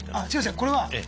これは。